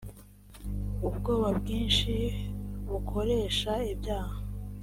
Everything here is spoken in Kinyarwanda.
ubwoba bwinshi bukoresha ibyaha